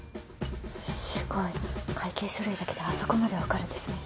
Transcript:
すごい会計書類だけであそこまでわかるんですね。